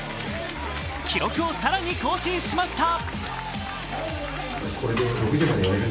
記録を更に更新しました。